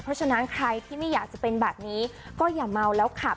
เพราะฉะนั้นใครที่ไม่อยากจะเป็นแบบนี้ก็อย่าเมาแล้วขับ